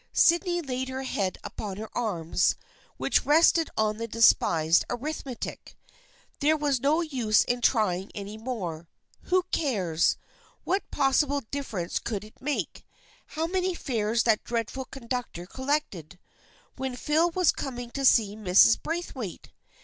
Sydney laid her head upon her arms, which rested on the despised arithmetic. There was no use in trying any more. Who cares, what possible difference could it make, how many fares that dreadful conductor collected, when Phil was coming to see Mrs. Braithwaite?